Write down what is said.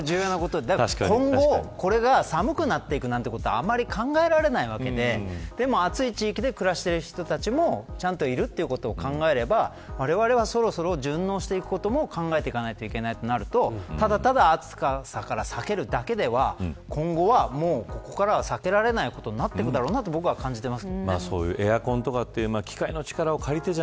だから今後、これが寒くなっていくなんてことはあんまり考えられないわけででも暑い地域で暮らしている人たちもちゃんといるということを考えればわれわれは、そろそろ順応していくことも考えていかないといけないとなるとただただ暑さから避けるだけでは今後はここからは避けられなくなってくるんだと僕は感じてますけどね。